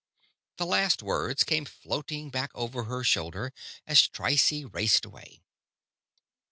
The last words came floating back over her shoulder as Trycie raced away.